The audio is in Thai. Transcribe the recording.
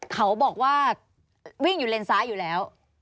เขาบอกว่าวิ่งอยู่เลนซ้ายอยู่แล้ว